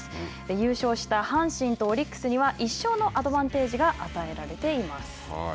優勝した阪神とオリックスには１勝のアドバンテージが与えられています。